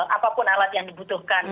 apapun alat yang dibutuhkan